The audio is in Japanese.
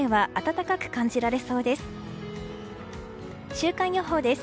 週間予報です。